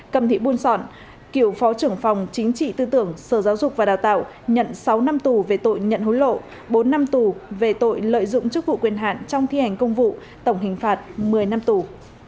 cầm thị buôn sọn cựu phó trưởng phòng chính trị tư tưởng sở giáo dục và đào tạo nhận sáu năm tù về tội nhận hối lộ bốn năm tù về tội lợi dụng chức vụ quyền hạn trong thi hành công vụ tổng hình phạt một mươi năm tù